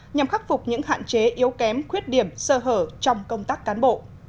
nhằm khắc phục những hạn chế yếu kém khuyết điểm sơ hở trong công tác cán bộ